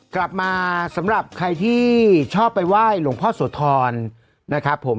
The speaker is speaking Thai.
สำหรับใครที่ชอบไปไหว้หลวงพ่อโสธรนะครับผม